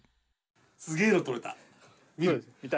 すげえの撮れた！